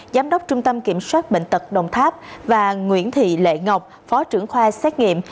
giám đốc trung tâm kiểm soát bệnh tật đồng tháp và nguyễn thị lệ ngọc phó trưởng khoa xét nghiệm